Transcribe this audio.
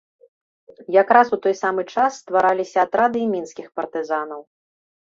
Якраз у той самы час ствараліся атрады і мінскіх партызанаў.